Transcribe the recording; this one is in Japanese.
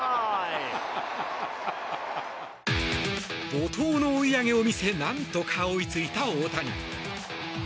怒涛の追い上げを見せ何とか追いついた大谷。